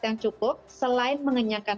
yang cukup selain mengenyangkan